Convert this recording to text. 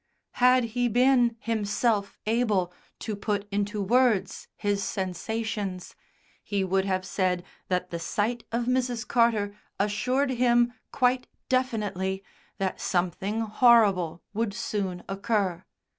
Had he been himself able to put into words his sensations, he would have said that the sight of Mrs. Carter assured him, quite definitely, that something horrible would soon occur.